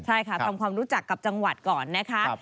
ใช่ค่ะทำความรู้จักกับจังหวัดก่อนนะคะ